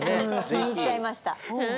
きにいっちゃいました！